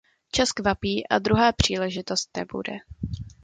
Čas kvapí a druhá příležitost nebude.